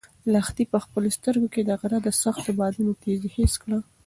لښتې په خپلو سترګو کې د غره د سختو بادونو تېزي حس کړه.